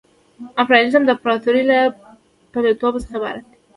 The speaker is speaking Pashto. امپریالیزم د امپراطورۍ له پلویتوب څخه عبارت دی